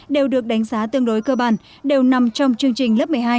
đều được đánh giá tương đối cơ bản đều nằm trong chương trình lớp một mươi hai